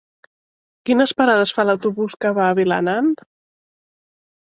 Quines parades fa l'autobús que va a Vilanant?